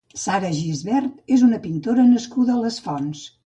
Sara Gibert és una pintora nascuda a Les Fonts.